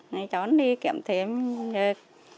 cho cháu đi kiếm thêm việc